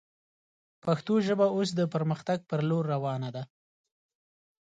پښتو ژبه اوس د پرمختګ پر لور روانه ده